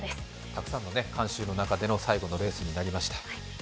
たくさんの観衆の中での最後のレースとなりました。